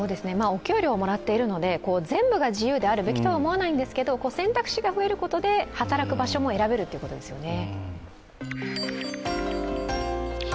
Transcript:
お給料をもらっているので全部が自由であるべきとは思わないんですけど、選択肢が増えることで働く場所も選べるということですよね。